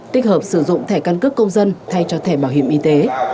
tích hợp sử dụng thẻ căn cước công dân thay cho thẻ bảo hiểm y tế